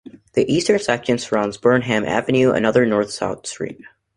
The eastern section surrounds Burnham Avenue, another north-south street.